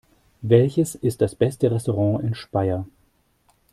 Welches ist das beste Restaurant in Speyer?